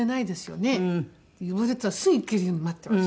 呼ばれたらすぐ行けるように待ってました。